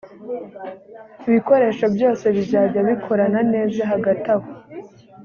ibikoresho byose bizajya bikorana neza hagati aho